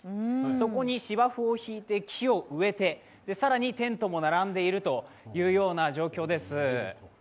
そこに芝生をしいて木を植えて、更にテントも並んでいるという状況です。